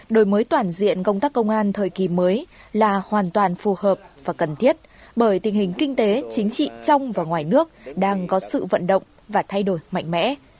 đổi mới toàn diện công tác công an thời kỳ mới là hoàn toàn phù hợp và cần thiết bởi tình hình kinh tế chính trị trong và ngoài nước đang có sự vận động và thay đổi mạnh mẽ